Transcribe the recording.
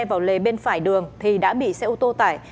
vào lề bên phải đường thì đã bị xe ô tô tải